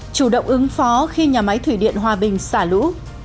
chủ động ứng phó khi nhà máy thủy điện hòa bình xả lũ